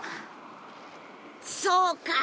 そうか！